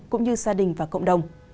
cũng như gia đình và cộng đồng